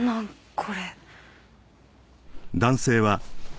これ。